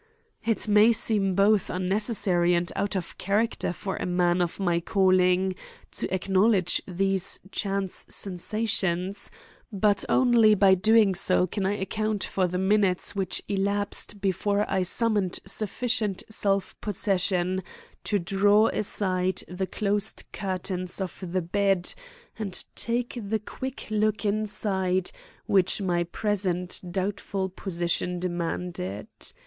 It may seem both unnecessary and out of character for a man of my calling to acknowledge these chance sensations, but only by doing so can I account for the minutes which elapsed before I summoned sufficient self possession to draw aside the closed curtains of the bed and take the quick look inside which my present doubtful position demanded.